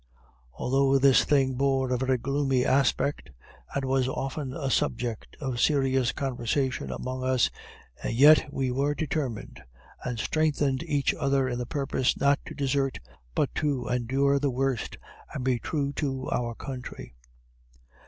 Although this thing bore a very gloomy aspect, and was often a subject of serious conversation among us, yet we were determined, and strengthened each other in the purpose, not to desert, but to endure the worst, and be true to our country.